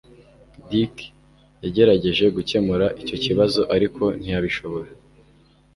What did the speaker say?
Dick yagerageje gukemura icyo kibazo, ariko ntiyabishobora.